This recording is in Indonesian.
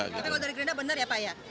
tapi kalau dari gerindra benar ya pak ya